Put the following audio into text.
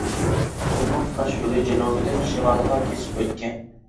قۇملۇق تاشيولى جەنۇبىدىن شىمالىغا كېسىپ ئۆتكەن.